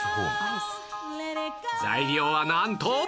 材料はなんと